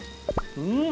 うん！